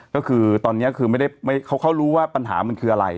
ก็คือตอนนี้คือไม่ได้เขารู้ว่าปัญหามันคืออะไร